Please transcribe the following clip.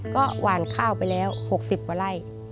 ก็หว่านข้าวไปแล้ว๖๐ไร้